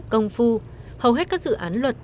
công phu hầu hết các dự án luật